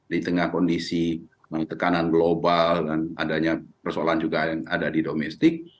di tengah kondisi tekanan global dan adanya persoalan juga yang ada di domestik